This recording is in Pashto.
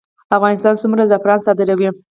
افغانستان څومره زعفران صادروي؟